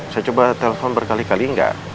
saya coba telepon berkali kali enggak